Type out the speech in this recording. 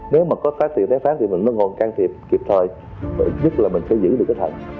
nếu mà có trái phát thì mình mới ngồi can thiệp kịp thời nhất là mình sẽ giữ được cái thần